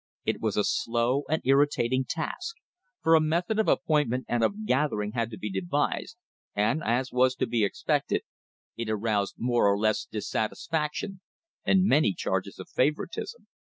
It was a slow and irritating task, for a method of apportionment and of gathering had to be devised, and, as was to be expected, it aroused more or less dissatisfaction and many charges of favouritism.